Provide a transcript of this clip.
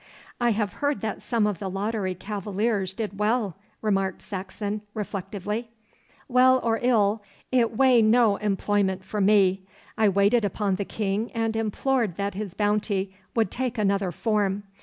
'I have heard that some of the lottery cavaliers did well,' remarked Saxon reflectively. 'Well or ill, it way no employment for me. I waited upon the King and implored that his bounty would take another form.